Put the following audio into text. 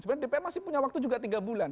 sebenarnya dpr masih punya waktu juga tiga bulan